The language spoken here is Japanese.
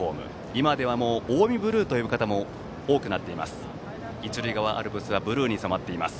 今では近江ブルーという呼び方も多くなっています。